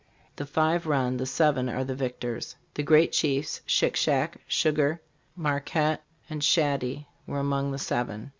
The five run, the seven are the victors. The great chiefs, Shick Shack, Sugar, Mar quett and Shaty were among the seven.